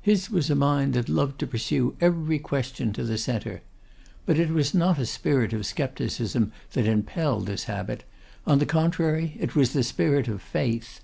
His was a mind that loved to pursue every question to the centre. But it was not a spirit of scepticism that impelled this habit; on the contrary, it was the spirit of faith.